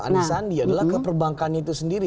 anisandi adalah ke perbankannya itu sendiri